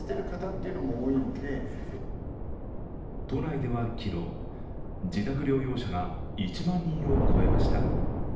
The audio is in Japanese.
都内では昨日、自宅療養者が１万人を超えました。